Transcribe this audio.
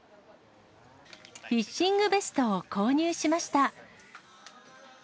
フィッシングベストを購入しました。